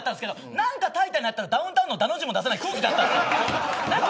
何か、タイタンになったらダウンタウンのダの字も出せない空気だったんです。